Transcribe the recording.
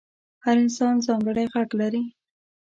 هر انسان ځانګړی غږ لري.